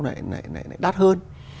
này này này này đắt hơn